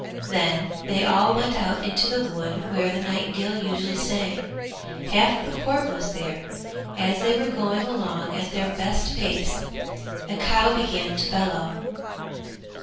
Then they all went out into the wood where the nightingale usually sang. Half the court was there. As they were going along at their best pace a cow began to bellow.